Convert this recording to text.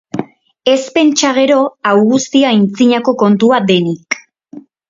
Ez pentsa gero, hau guztia antzinako kontua denik.